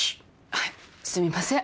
はいすみません。